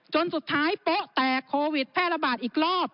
จนสุดท้ายโป๊ะแตกโควิดแพร่ระบาดอีกรอบ